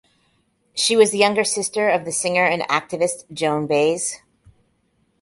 She was the younger sister of the singer and activist Joan Baez.